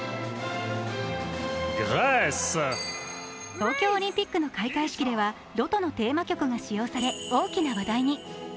東京オリンピックの開会式では「ロトのテーマ曲」が使用され、大きな話題に。